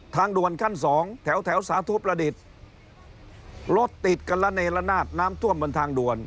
ทางด่วนขั้นสองแถวแถวสาธุประดิษฐ์รถติดกันละเนละนาดน้ำท่วมบนทางด่วน